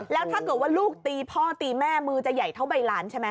แล้วถ้าเกิดว่าลูกตีพ่อตีแม่มือจะใหญ่เท่าใบหลานใช่ไหม